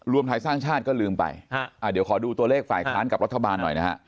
รวมไทยสร้างชาติก็ลืมไปเดี๋ยวขอดูตัวเลขฝ่ายค้านกับรัฐบาลหน่อยนะฮะ